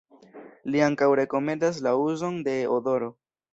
Li ankaŭ rekomendas la uzon de odoro.